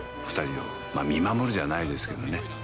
二人を見守るじゃないですけどね